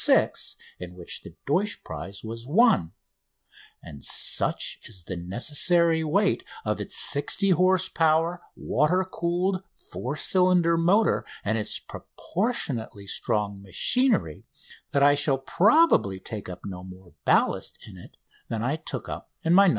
6," in which the Deutsch prize was won; and such is the necessary weight of its 60 horse power, water cooled, four cylinder motor and its proportionally strong machinery that I shall probably take up no more ballast in it than I took up in the "No.